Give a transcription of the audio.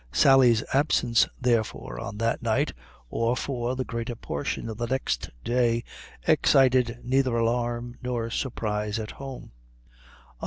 Sally's absence, therefore, on that night, or for the greater portion of the next day, excited neither alarm nor surprise at home.